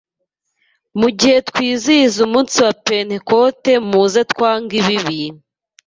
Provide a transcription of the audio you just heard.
Mu gihe twizihiza umunsi wa Pentekote muze twange ibibi,